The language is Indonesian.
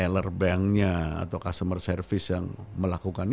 ini teller banknya atau customer service yang kita lakukan itu